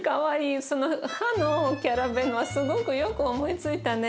その歯のキャラベンはすごくよく思いついたね。